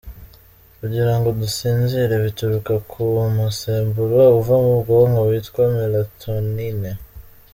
Kugirango dusinzire bituruka ku musemburo uva mu bwonko witwa mélatonine.